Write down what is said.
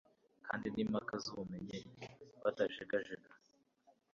kandi n'impaka z'ubumenyi butajegajega